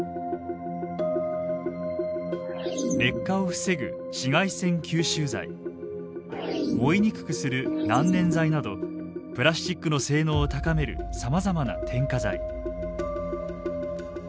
劣化を防ぐ紫外線吸収剤燃えにくくする難燃剤などプラスチックの性能を高めるさまざまな添加剤。